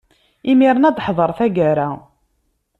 Imiren ad d-teḥḍer taggara.